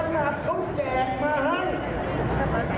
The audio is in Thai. นี่แหละครับคือสภาพนายกับวัตถมตรี